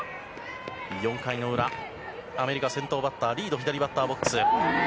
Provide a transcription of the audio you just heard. ４回裏アメリカ先頭バッターはリードが左バッターボックス。